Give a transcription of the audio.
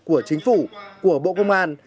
của chính phủ của bộ công an